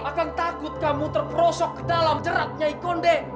aku takut kamu terperosok ke dalam jerak nyai kondek